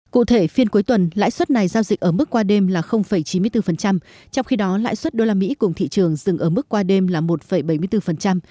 cụ thể phiên cuối tuần lãi suất này giao dịch ở mức qua đêm là chín mươi bốn trong khi đó lãi suất usd cùng thị trường dừng ở mức qua đêm là một bảy mươi bốn